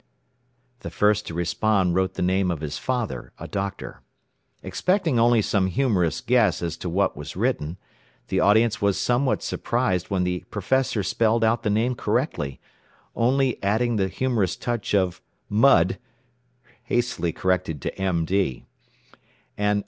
The first to respond wrote the name of his father, a doctor. Expecting only some humorous guess as to what was written, the audience was somewhat surprised when the professor spelled out the name correctly, only adding the humorous touch of "mud," hastily corrected to "M. D."